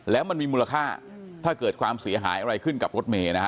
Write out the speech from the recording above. แล้วมันมีมูลค่าถ้าเกิดความเสียหายอะไรขึ้นกับรถเมย์นะฮะ